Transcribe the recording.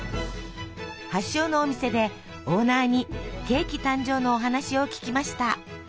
発祥のお店でオーナーにケーキ誕生のお話を聞きました。